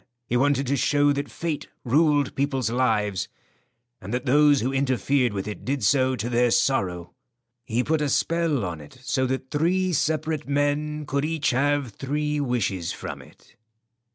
He wanted to show that fate ruled people's lives, and that those who interfered with it did so to their sorrow. He put a spell on it so that three separate men could each have three wishes from it."